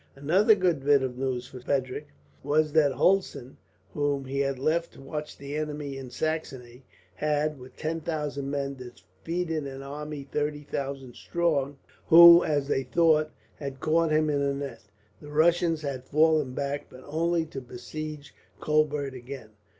Another good bit of news for Frederick was that Hulsen, whom he had left to watch the enemy in Saxony, had, with ten thousand men, defeated an army thirty thousand strong; who, as they thought, had caught him in a net. The Russians had fallen back, but only to besiege Colbert again.